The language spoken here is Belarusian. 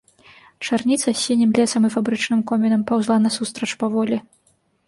Чарніца з сінім лесам і фабрычным комінам паўзла насустрач паволі.